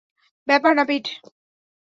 ব্যাপার না, পিট।